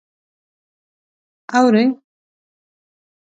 _اورې؟